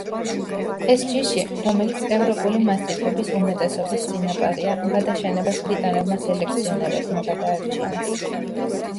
ეს ჯიში, რომელიც ევროპული მასტიფების უმეტესობის წინაპარია, გადაშენებას ბრიტანელმა სელექციონერებმა გადაარჩინეს.